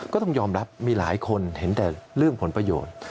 ก็ต้องยอมรับมีหลายคนเห็นแต่เรื่องผลประโยชน์